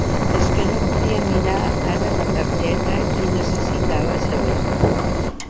Esque no podia mirar ara la targeta i necessitava saber.